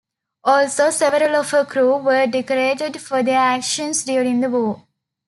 Also, several of her crew were decorated for their actions during the war.